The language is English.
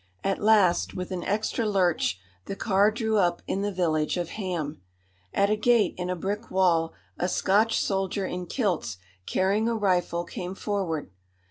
At last, with an extra lurch, the car drew up in the village of Ham. At a gate in a brick wall a Scotch soldier in kilts, carrying a rifle, came forward.